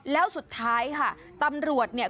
แล้วสุดท้ายค่ะตำรวจเนี่ย